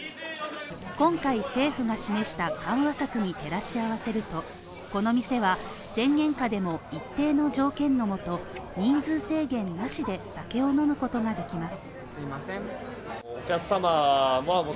今回、政府が示した案も先に照らし合わせると、この店は、宣言下でも一定の条件のもと、人数制限なしで酒を飲むことができます。